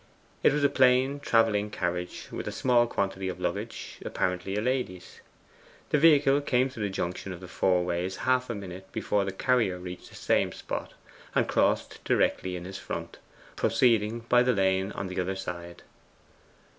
It was a plain travelling carriage, with a small quantity of luggage, apparently a lady's. The vehicle came to the junction of the four ways half a minute before the carrier reached the same spot, and crossed directly in his front, proceeding by the lane on the other side.